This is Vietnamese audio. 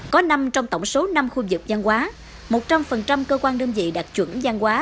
có năm trong tổng số năm khu vực gian hóa một trăm linh cơ quan đơn vị đạt chuẩn gian hóa